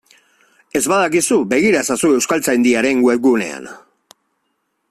Ez badakizu, begira ezazu Euskaltzaindiaren webgunean.